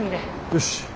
よし。